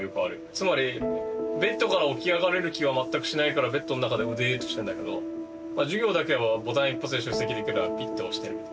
つまりベッドから起き上がれる気は全くしないからベッドの中でぐでっとしてんだけど授業だけはボタン一発で出席できるからピッと押して。